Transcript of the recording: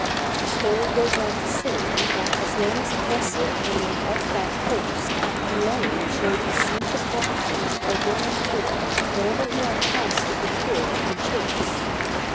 The story goes on to say, that as long as the vessel remained off that coast, the lion showed his sense of gratitude by bringing to it whatever he had chanced to procure in the chase.